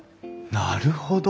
なるほど。